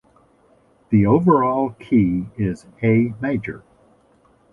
The overall key is A major.